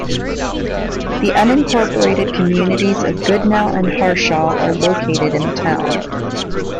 The unincorporated communities of Goodnow and Harshaw are located in the town.